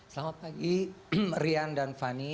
selamat pagi rian dan fani